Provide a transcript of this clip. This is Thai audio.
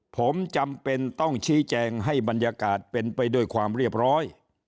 ผมจำเป็นต้องชี้แจงให้บรรยากาศเป็นไปด้วยความเรียบร้อย